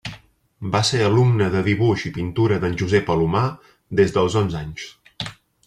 Va ser alumna de dibuix i pintura d'en Josep Alumà des dels onze anys.